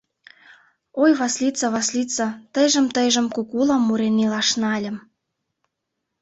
Ой, Васлица-Васлица, тыйжым-тыйжым кукула мурен илаш нальым.